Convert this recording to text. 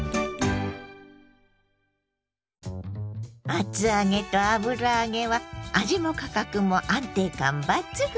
厚揚げと油揚げは味も価格も安定感抜群！